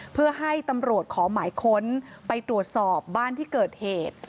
เพื่อให้ตำรวจขอหมายค้นไปตรวจสอบบ้านที่เกิดเหตุ